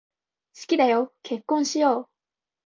好きだよ、結婚しよう。